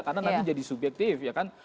karena nanti jadi subjektif ya kan